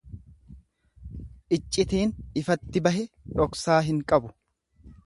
Iccitiin ifatti bahe dhoksaa hin qabu.